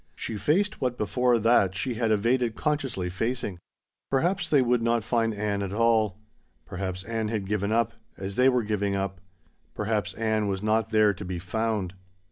She faced what before that she had evaded consciously facing. Perhaps they would not find Ann at all. Perhaps Ann had given up as they were giving up. Perhaps Ann was not there to be found.